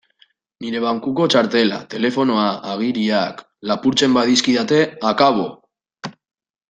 Nire bankuko txartela, telefonoa, agiriak... lapurtzen badizkidate, akabo!